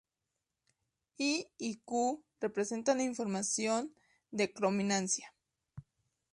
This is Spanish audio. I y Q representan la información de crominancia.